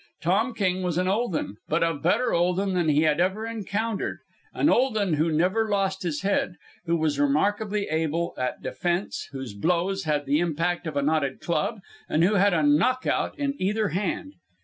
Tom King was an old un, but a better old un than he had ever encountered an old un who never lost his head, who was remarkably able at defence, whose blows had the impact of a knotted club, and who had a knockout in either hand.